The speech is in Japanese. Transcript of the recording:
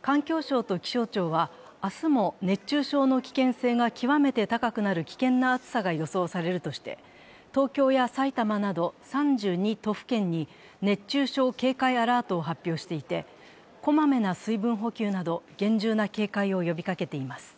環境省と気象庁は、明日も熱中症の危険性が極めて高くなる危険な暑さが予想されるとして東京や埼玉など３２都府県に熱中症警戒アラートを発表していて、こまめな水分補給など厳重な警戒を呼びかけています。